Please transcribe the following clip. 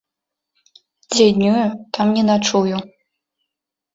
Дзе днюю, там не начую.